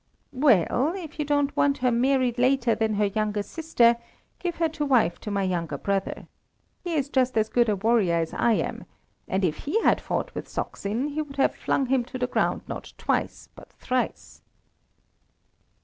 "Well, if you don't want her married later than her younger sister, give her to wife to my younger brother. He is just as good a warrior as I am, and if he had fought with Saksin he would have flung him to the ground not twice but thrice."